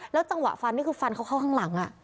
จังหวะฟันนี่คือฟันเขาเข้าข้างหลัง